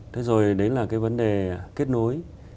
thế rồi đấy là cái vấn đề kết nối